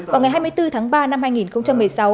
vào ngày hai mươi bốn tháng ba năm hai nghìn một mươi sáu